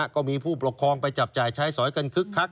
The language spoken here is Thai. ก็มีผู้ปกครองไปจับจ่ายใช้สอยกันคึกคัก